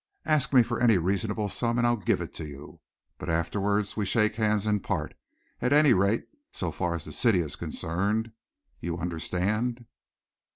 Ask me for any reasonable sum, and I'll give it you. But afterwards we shake hands and part, at any rate so far as the city is concerned. You understand?"